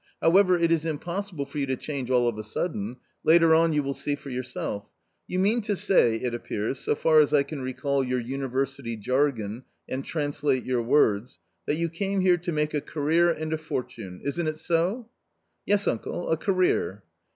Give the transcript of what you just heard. However, it is impossible for you to change all of a sudden ; later on you will see for yourself. You mean to say, it appears, so far as I can recall your University jargon and translate your words, that youj:ame here to make a career and a fortune. ... Isn't it so ?"" Yes, uncle, a career."